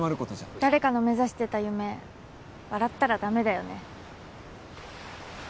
誰かの目指してた夢笑ったらだめだよね。